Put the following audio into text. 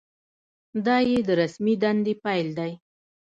دا یې د رسمي دندې پیل دی.